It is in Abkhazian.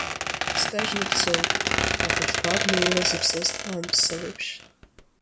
Скажьны бцоит, ахәыҷқәа абна илазыԥсаз анԥса леиԥш.